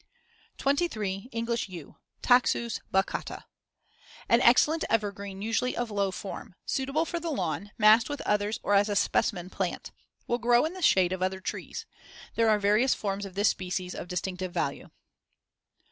23. English yew (Taxus baccata) An excellent evergreen usually of low form; suitable for the lawn, massed with others or as a specimen plant; will grow in the shade of other trees. There are various forms of this species of distinctive value.